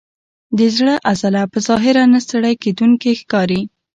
د زړه عضله په ظاهره نه ستړی کېدونکې ښکاري.